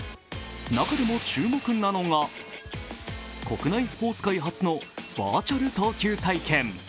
中でも注目なのが、国内スポーツ界初のバーチャル投球体験。